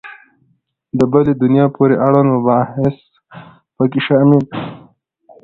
د بلي دنیا پورې اړوند مباحث په کې شامل دي.